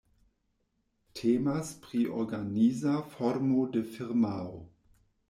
Temas pri organiza formo de firmao.